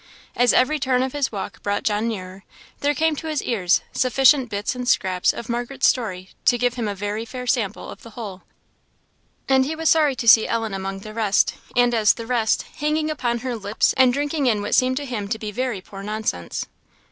As every turn of his walk brought John near, there came to his ears sufficient bits and scraps of Margaret's story to give him a very fair sample of the whole; and he was sorry to see Ellen among the rest, and as the rest, hanging upon her lips and drinking in what seemed to him to be very poor nonsense.